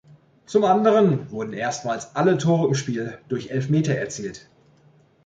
Zum anderen wurden erstmals alle Tore im Spiel durch Elfmeter erzielt.